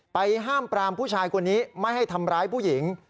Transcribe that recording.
ห้ามปรามผู้ชายคนนี้ไม่ให้ทำร้ายผู้หญิง